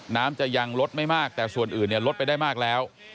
น้ำจะยังลดไม่มากแต่ส่วนอื่นลดไปได้มากแล้ว